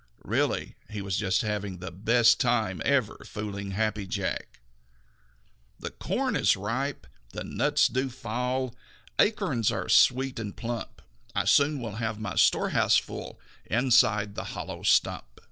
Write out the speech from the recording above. Really he was just having the best time ever fooling Happy Jack. "The corn is ripe; the nuts do fall; Acorns are sweet and plump. I soon will have my storehouse full Inside the hollow stump."